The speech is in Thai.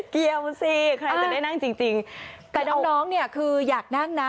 เกี่ยวสิใครจะได้นั่งจริงจริงแต่น้องน้องเนี่ยคืออยากนั่งนะ